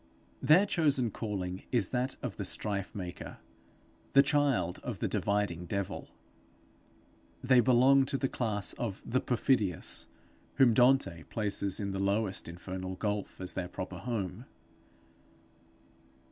Their chosen calling is that of the strife maker, the child of the dividing devil. They belong to the class of the perfidious, whom Dante places in the lowest infernal gulf as their proper home.